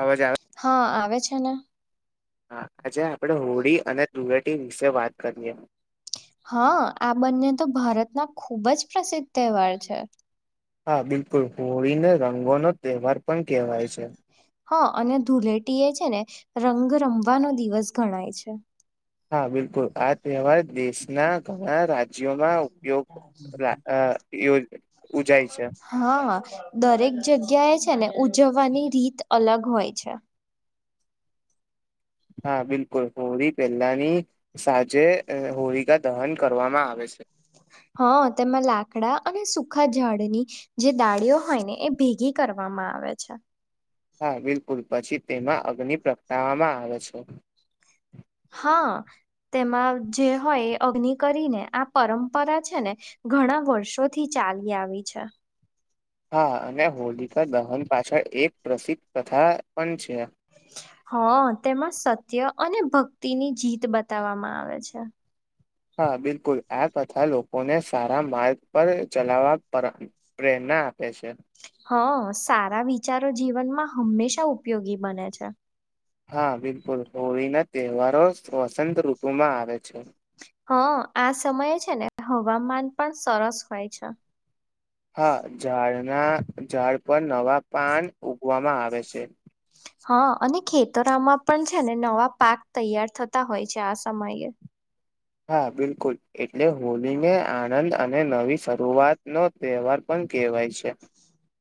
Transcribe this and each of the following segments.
અવાજ આવે હા આવે છે ને. હા આજે આપણેે હોળી અને ધુળેટી વિશે વાત કરીએ. હા, આ બંને તો ભારતના ખૂબ જ પ્રસિદ્ધ તહેવાર છે. હા બિલકુલ. હોળી ને રંગો નો તહેવાર પણ કહેવાય છે. હા, અને ધુલેટી એ છે ને રંગ રમવાનો દિવસ ગણાય છે. હા બિલકુલ, આ તહેવાર દેશનાં ઘણા રાજ્યોમાં ઉપયોગ રા અહ યોજ ઉજાય છે. હા, હા. દરેક જગ્યાએ છે ને ઉજવવાની રીત અલગ હોય છે. હા બિલકુલ, હોળી પહેલાની સાજે હોળિકા દહન કરવામાં આવે છે. [unintelligible] હા, તેમાં લાકડા અને સુખા ઝાડની જે દાડીઓ હોય ને, એ ભેગી કરવામાં આવે છે. હા બિલકુલ. પછી તેમાં અગ્નિ પ્રગટાવવામાં આવે છે. હા, તેમાં જે હોય અગ્નિ કરીને, આ પરંપરા છે ને ઘણા વર્ષોથી ચાલી આવી છે. હા, અને હોલિકા દહન પાછળ એક પ્રસિદ્ધ કથા પણ છ હા, તેમાં સત્ય અને ભક્તિ ની જીત બતાવવામાં આવે છે. હા બિલકુલ. આ બધા લોકોને સારા માર્ગ પર ચલાવવા પર પ્રેર ના આપે છે. હા, સારા વિચારો જીવનમાં હંમેશા ઉપયોગી બને છે. હા બિલકુલ. હોળી ના તહેવારો સવસંત ઋતુમાં આવે છે. હા, આ સમયે છે ને હવામાન પણ સરસ હોય છે. હા ઝાડના ઝાડ પર નવા પાન ઉગવામાં આવે છે. હા, અને ખેતરામાં પણ છે ને નવા પાક તૈયાર થતા હોય છે આ સમયે. હા બિલકુલ, એટલે હોલીને આનંદ અને નવી શરૂઆત નો તહેવાર પણ કેવાય છે.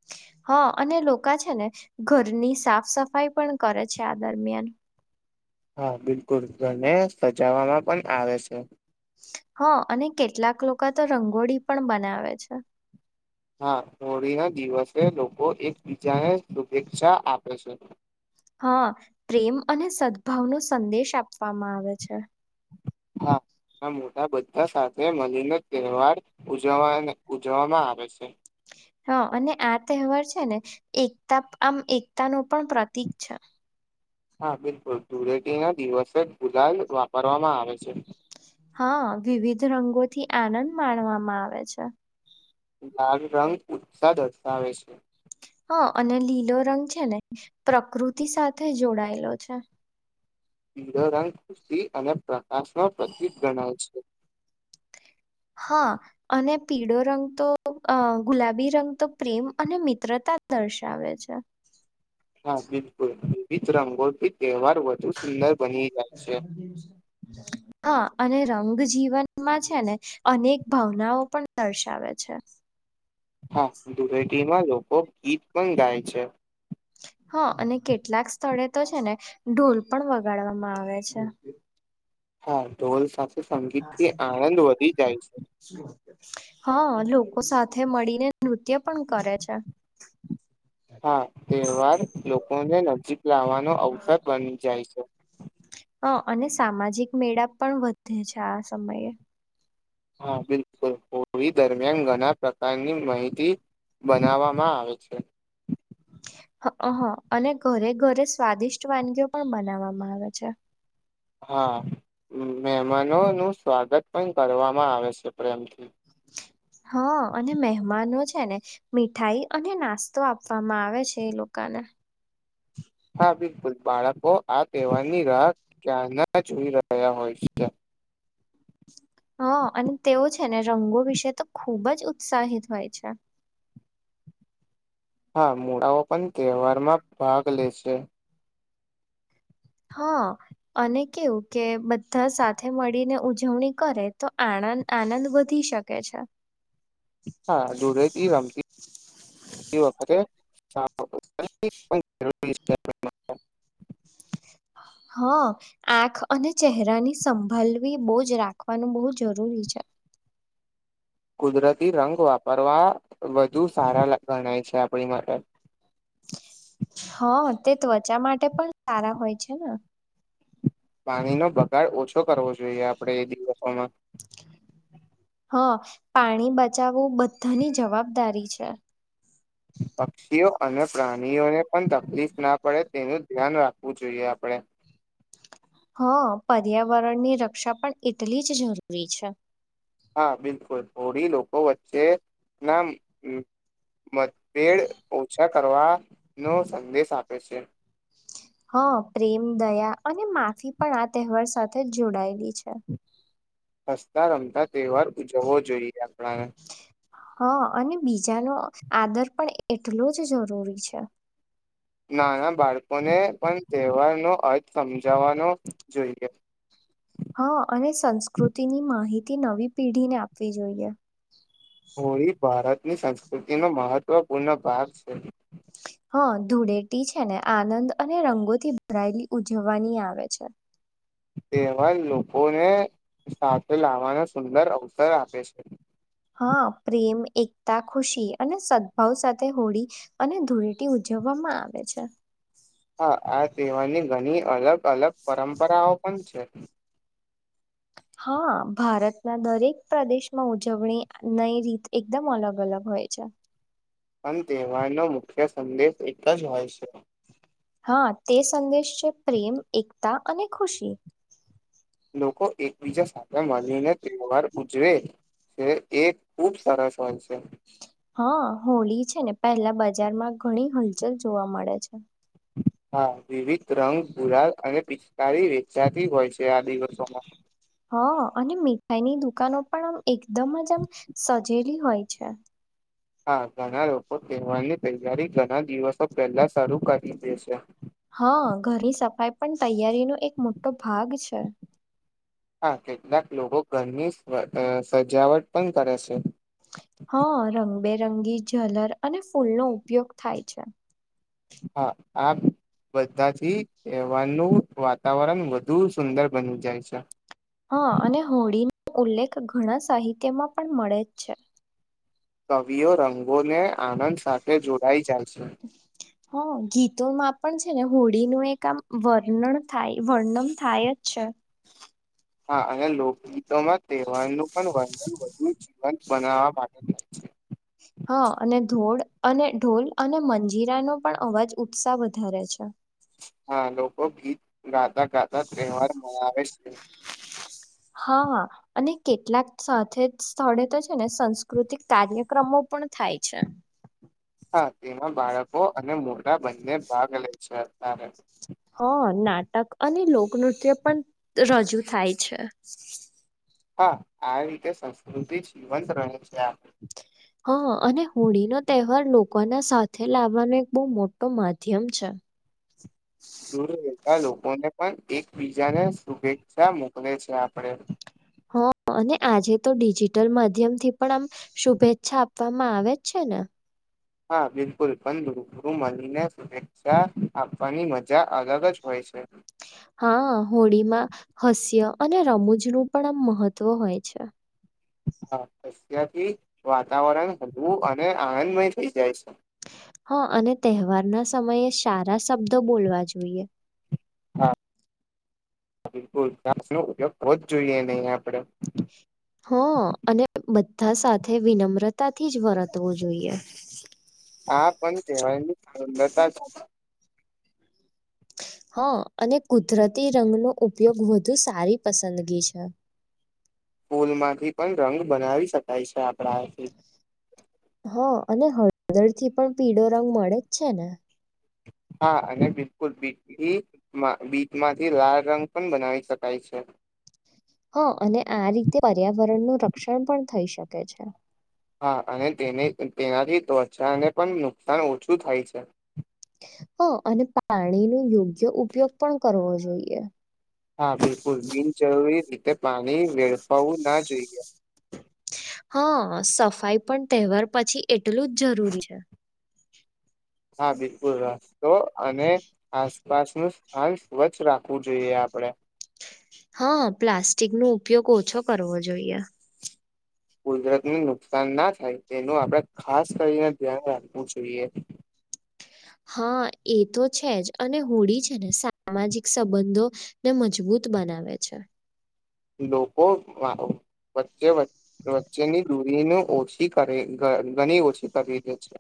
[inaudible] હા અને લોકા છે ને, ઘરની સાફ સફાઈ પણ કરે છે આ દરમિયાન. હા બિલકુલ ઘરને સજાવવામાં પણ આવે સે. હા અને કેટલાક લોકા તો રંગોળી પણ બનાવે છે. હા, હોળીના દિવસે લોકો એકબીજાને શુભેચ્છા આપે છે. હા, પ્રેમ અને સદભાવનો સંદેશ આપવામાં આવે છે. હા. ના મોટા બધા સાથે મલીને તહેવાર ઉજવવાન ઉજવવામાં આવે છે. હા, અને આ તહેવાર છે ને એકતા આમ એકતા નુ પણ પ્રતીક છે. હા બિલકુલ, ધૂલેટી ના દિવસે ગુલાલ, વાપરવામાં આવે છે. હાઆ, વિવિધ રંગોથી આનંદ માણવામાં આવે છે. લાલ રંગ ઉત્સાહ દર્શાવે છે. હ, અને લીલો રંગ છે ને, પ્રકૃતિ સાથે જોડાયેલો છે. લીલોરંગ, [unintelligible] અને પ્રકાશનો પ્રતીક ગણાય છે. હ, અને પીળો રંગ તો, અ ગુલાબી રંગ તો, પ્રેમ અને મિત્રતા અ દર્શાવે છે. હા બિલકુલ, વિવિધ રંગો ની ત્યોહાર વધુ સુંદર બની જાય છે. હા અને રંગ જીવન માં છે ને, અનેક ભાવનાઓ પણ દર્શાવે છે. [inaudible] હા, ધુળેટીમાં લોકો, ગીત પણ ગાય છે. [unintelligible] હ, અને કેટલાક સ્થળે તો છે ને, ઢોલ પણ વગાડવામાં આવે છે. હા ઢોલ સાથે સંગીતથી આણંદ વધી જાય છે હાં લોકો સાથે મળીને નૃત્ય પણ કરે છે હા તેહવાર લોકોને ન જીક લાવાનો અવસર બની જાય છે હ અને સામાજિક મેળા પણ વધે છે આ સમયે હા બિલકુલ કોવી દરમિયાન ઘના પ્રકારની માહિતી બનાવામા આવે છે હ અને ઘરે ઘરે સ્વાદિષ્ટ વાનગીઓ પણ બનાવામા આવે છે હા મહેમાનો નુ સ્વાગત પણ કરવામા આવે છે પ્રેમથી હા અને મહેમાનો જ છે ને મીઠાઈ અને નાસ્તો આપવામા આવે છે એ લોકાને હા બિલકુલ બાળકો આ તહેવારની રાહ ક્યાર ના જોઈ રહ્યા હોય છે [unintelligible] હા અને તેઓ છે ને રંગો વિશે તો ખૂબ જ ઉત્સાહિત હોય છે હા મૂડાઓ પણ તહેવારમા ભાગ લે છે હા અને કેવુ કે બધા સાથે મળીને ઉજવણી કરે તો આ આનંદ વધી શકે છે હા ધૂળેટી રમતી વખતે [unintelligible] હા આંખ અને ચહેરાની સંભાલવી બહુજ રાખવાનુ બહુ જરૂરી છે કુદરતી રંગ વાપરવા વધુ સારા ગણાય છે પડી માટે હા તે ત્વચા માટે પણ સારા હોય છે ને પાણીનો બગાડ ઓછો કરવો જોઈએ આપણેે એ દિવસોમા હા પાણી બચાવુ બધાની જવાબદારી છે પક્ષીઓ અને પ્રાણીઓને પણ તકલીફ ના પડે તેનુ ધ્યાન રાખવુ જોઈએ આપણે હાં પર્યાવરણની રક્ષા પણ એટલી જ જરૂરી છે હા બિલકુલ થોડી લોકો વચ્ચે નામ મતભેળ ઓછા કરવા નો સંદેશ આપે છે હ પ્રેમ દયા અને માફી પણ આ તહેવાર સાથે જોડાયેલી છે [unintelligible] હસતા રમતા તહેવાર ઉજવવો જોઈએ આપણાને હ અને બીજાનો આદર પણ એટલો જ જરૂરી છે ના ના બાળકોને પણ તહેવાર નો અર્થ સમજાવા નો જોઈએ હ અને સંસ્કૃતિની માહિતી નવી પીઢીને આપવી જોઈએ હોળી ભારતની સંસ્કૃતિ નો મહત્વપૂર્ણ ભાગ છે ધૂળેટી છે ને આનંદ અને રંગોથી ભરાયેલી ઉજવવાની આવે છે તેવા લોકોને સાથે લાવવાનો સુંદર અવસર આપે છે હ હ પ્રેમ એકતા ખુશી અને સદભાવ સાથે હોળી અને ધૂળેટી ઉજવવામ મા આવે છે હા આ તહેવારની ઘણી અલગ અલગ પરંપરાઓ પણ છે હા ભારતના દરેક પ્રદેશમા ઉજવણી ન‌ઇ રીત એકદમ અલગ અલગ હોય છે પણ તહેવારનો મુખ્ય સંદેશ એક જ હોય છે હ તે સંદેશ છે પ્રેમ એકતા અને ખુશી લોકો એકબીજા સાથે મળીને તેહવાર ઉજવે એ એક ખુબ સરસ હોય છે હ હોલી છે ને પેલા બજારમા ઘણી હલચલ જોવા મળે છે હા વિવિધ રંગ ગુલાલ અને પિચકાર વેચાતી હોય છે આ દિવસોમા હ અને મીઠાઈની દુકાનો પણ આમ એકદમ જ આમ સજે હોય છે હા ઘણા લોકો તહેવારની તૈયારી ઘણા દિવસો પહેલા શરૂ કરી દે છે હા ઘરની સફાઈ પણ તૈયારીનો એક મોટો ભાગ છે હા કેટલાક લોકો ઘરનીજ અ સજાવટ પણ કરે છે રંગી જલર અને ફૂલનો ઉપયોગ થાય છે હા આપ બધાથી એવાનું વાતાવરણ વધુ સુંદર બની જાય છે હા અને હોળીનો ઉલ્લેખ ઘણા સાહિત્યમાં પણ મળે જ છે કવિઓ રંગોને આનંદ સાથે જોડાઈ જા હા ગીતોમાં પણ છે ને હોળીનું એક આમ વર્ણન થાય વર્ણન થાય જ છે હા અને લોકગીતોમાં તહેવારનું પણ વંદન વધુ જીવંત બનાવવા માંગ છે [inaudible] હા અને ઢોળ અને ઢોલ અને મંજીરાનો પણ અવાજ ઉત્સાહ વધારે છે હા લોકો ગીત ગાતા ગાતા તહેવાર મનાવે છે [inaudible] હા અને કેટલાક સાથે જ સ્થળે તો છે ને સાસ્કૃતિક કાર્યક્રમો પણ થાય છે હા તેમાં બાળકો અને મોઢા બંને ભાગ લે છે અત્યારે હ નાટક અને લોકનૃત્ય પણ રજૂ થાય છે હા આવી રીતે સંસ્કૃતિ જીવંત રહે છે હા અને હોળી નો તહેવાર લોકો લોકોના સાથે લાવવાનો એક બહુ મોટો માધ્યમ છે દૂર રેતા લોકોને પણ એકબીજાને શુભેચ્છા મોકલે છે આપડે હ અને આજે તો ડિજિટલ માધ્યમ થી પણ આમ શુભેચ્છા આપવામાં આવે છે ના હા બિલકુલ બુ મળીને શુભેચ્છા આપવાની મ હા હોળીમાં હાસ્ય અને રમૂજનું પણ આમ મહત્વ હોય છે હા અત્યથી વાતાવરણ હળવું અને આનંદમય થઈ જાય છે હા અને તહેવારના સમયે સારા શબ્દો બોલવા જોઈએ હા બિલકુલ ઘાસ નો ઉપયોગ હોવો જ જોઈએ આપડે હા અને બધા સાથે વિનમ્ર વિનમ્રતા થી જ વર્તવું જોઈએ હા પણ કહેવાય બતા હા અને કુદરતી રંગનો ઉપયોગ વધુ સારી પસંદગી છે [unintelligible] ફૂલ માંથી પણ રંગ બનાવી શકાય છે આપણાથી હા અને હળદર થી પણ પીળો રંગ મળે જ છે ને હા અને બિલકુલ બીથીમાં બીટમાંથી લાાલ રંગ પણ બનાવી શકાય છે હા અને આ રીતે પર્યાવરણનું રક્ષણ પણ થઈ શકે છે હા અને તેને તેનાથી ત્વચાને પણ નુકસાન ઓછું થાય છે હા અને પાણીનો યોગ્ય ઉપયોગ પણ કરવો જોઈએ હા બિલકુલ બિનજરૂરી રીતે પાણી વેડફાવું ના જોઈએ હા સફાઈ પણ તહેવાર પછી એટલું જ જરૂરી છે હા બિલકુલ રસ્તો અને આસપાસનું સ્થાન સ્વચ્છ રાખવું જોઈએ આપડે હા પ્લાસ્ટિક નો ઉપયોગ ઓછો કરવો જોઈએ કુદરતનું નુકસાન ના થાય તેનું આપળે ખાસ કરીને ધ્યાન રાખવું જોઈએ. [inaudible] હા એ તો છે જ અને હોળી છે ને સામાજિક સંબંધો ને મજબૂત બનાવે છે. લોકો વાવ વચ્ચે વ વચ્ચેની દૂરીનું ઓછી કરે, ધ ઘણી ઓછી કરી દે છે.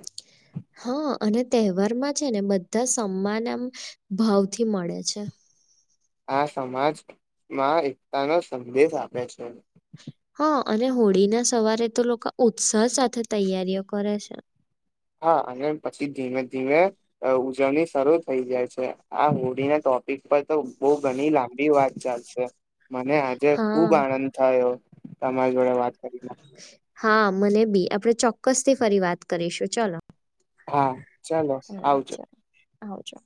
હા અને તહેવારમાં છે ને બધા સમાન એમ ભાવથી મળે છે. આ સમાજમાં એકતા નો સંદેશ આપે છે. [inaudible] હા અને હોળી ના સવારે તો લોકો ઉત્સાહ સાથે તૈયારીઓ કરે છે. હા અને પછી ધીમે-ધીમે અ ઉજવણી શરૂ થઈ જાય છે આ હોળીને ટો ટોપિક પર તો બો ઘણી લાંબી વાત ચાલશે મને આજે ખુબ હા આનંદ થયો તમાર જોડે વાત કરીને. હા મને બી આપળે ચોક્કસ થી ફરી વાત કરીશું ચલો. હા ચાલો હા આવજો. ચાલ આવજો